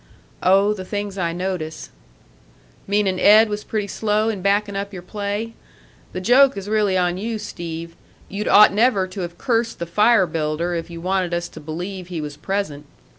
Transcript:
"Oh, the things I notice." "Meaning Ed was pretty slow in backing up your play? The joke is really on you, Steve. You'd ought never to have cursed the fire builder if you wanted us to believe he was present.